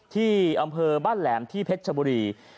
ที่อำเภอบ้านแหลมที่เพชรชบุรี